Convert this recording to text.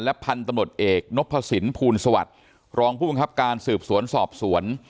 พันธุ์ตำรวจเอกนพสินภูลสวัสดิ์รองผู้บังคับการสืบสวนสอบสวน